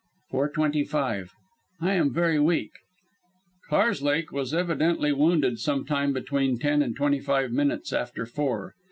"Four twenty five. I am very weak." [_Karslake was evidently wounded sometime between ten and twenty five minutes after four.